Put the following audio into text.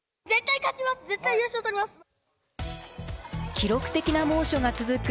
記録的な猛暑が続く